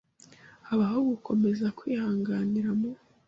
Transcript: Habaho gukomeza kwihanganira mu